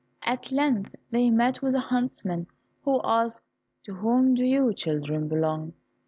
At length they met with a huntsman, who asked, "To whom do you children belong?"